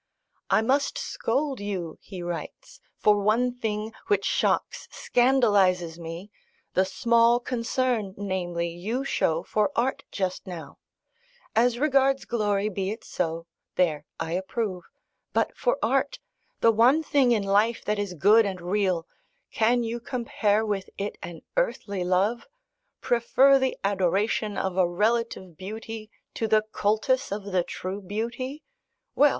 I must scold you (he writes) for one thing, which shocks, scandalises me, the small concern, namely, you show for art just now. As regards glory be it so: there, I approve. But for art! the one thing in life that is good and real can you compare with it an earthly love? prefer the adoration of a relative beauty to the cultus of the true beauty? Well!